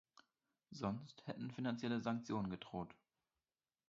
Sonst hätten finanzielle Sanktionen gedroht.